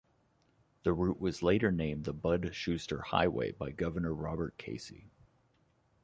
The route was later named the "Bud Shuster Highway" by Governor Robert Casey.